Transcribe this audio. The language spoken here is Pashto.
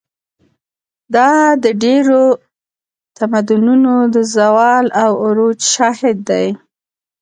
دا د ډېرو تمدنونو د زوال او عروج شاهد دی.